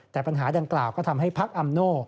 แต่ปัญหาดังกล่าวก็ทำให้พักอำโน่